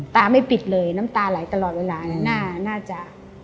ไม่ปิดเลยน้ำตาไหลตลอดเวลาน่าจะ